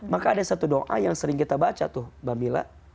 maka ada satu doa yang sering kita baca tuh mbak mila